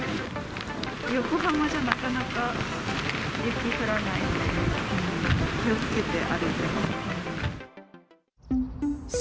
横浜じゃなかなか雪降らないから、気をつけて歩いてます。